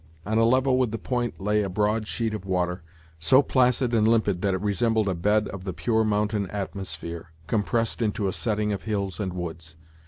On a level with the point lay a broad sheet of water, so placid and limpid that it resembled a bed of the pure mountain atmosphere, compressed into a setting of hills and woods.